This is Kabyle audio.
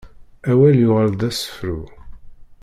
Awal yuɣal d asefru.